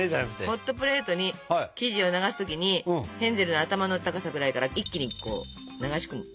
ホットプレートに生地を流す時にヘンゼルの頭の高さくらいから一気に流し込む。